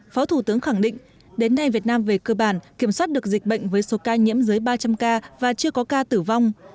phó thủ tướng khẳng định đến nay việt nam về cơ bản kiểm soát được dịch bệnh với số ca nhiễm dưới ba trăm linh ca và chưa có ca tử vong